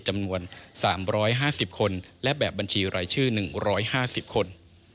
จำนวน๓๕๐คนและแบบบัญชีรายชื่อ๑๕๐คน